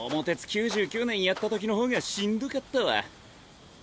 ９９年やったときの方がしんどかったわ。